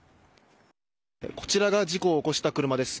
こちらが事故を起こした車です。